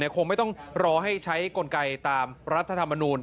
คงไม่ต้องรอให้ใช้กลไกตามรัฐธรรมนูล